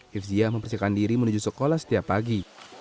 hifziah mempersiapkan diri menuju sekolah setiap pagi